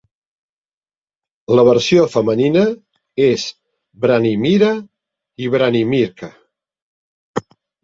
La versió femenina és Branimira i Branimirka.